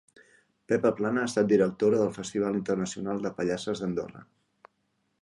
Pepa Plana ha estat directora del Festival Internacional de Pallasses d'Andorra.